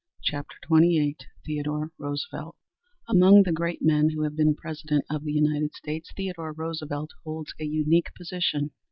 CHAPTER XXVIII THEODORE ROOSEVELT Among the great men who have been President of the United States, Theodore Roosevelt holds a unique position.